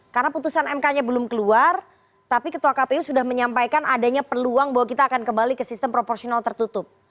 karena putusan mk nya belum keluar tapi ketua kpu sudah menyampaikan adanya peluang bahwa kita akan kembali ke sistem proporsional tertutup